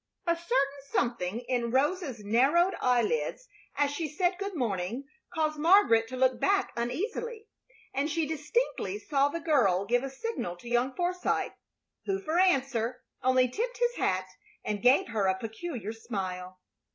A certain something in Rosa's narrowed eyelids as she said good morning caused Margaret to look back uneasily, and she distinctly saw the girl give a signal to young Forsythe, who, for answer, only tipped his hat and gave her a peculiar smile.